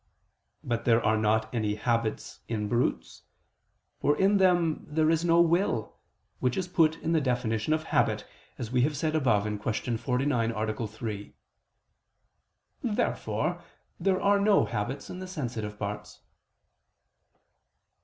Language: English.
But there are not any habits in brutes: for in them there is no will, which is put in the definition of habit, as we have said above (Q. 49, A. 3). Therefore there are no habits in the sensitive powers.